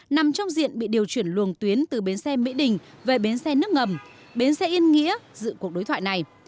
nằm trong diện bị điều chuyển luồng tuyến từ bến xe mỹ đình về bến xe nước ngầm bến xe yên nghĩa dự cuộc đối thoại này